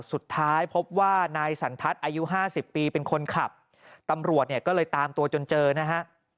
สุดท้ายพบว่านายสันทัศน์อายุห้าสิบปีเป็นคนขับตำรวจเนี่ยก็เลยตามตัวจนเจอนะฮะ